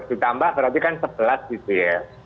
ditambah berarti kan sebelas juta kiloliter